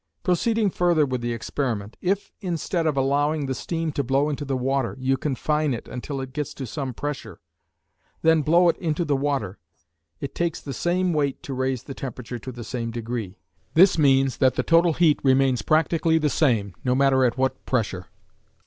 Proceeding further with the experiment, if, instead of allowing the steam to blow into the water, you confine it until it gets to some pressure, then blow it into the water, it takes the same weight to raise the temperature to the same degree. This means that the total heat remains practically the same, no matter at what pressure.